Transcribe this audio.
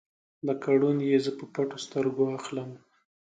لکه ړوند یې زه په پټو سترګو اخلم